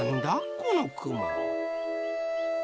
このくも。